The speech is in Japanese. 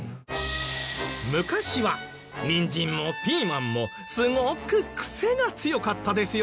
昔はニンジンもピーマンもすごくクセが強かったですよね。